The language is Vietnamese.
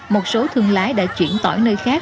một số thương lái đã chuyển tỏi nơi khác